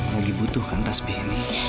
lagi butuhkan tasbih ini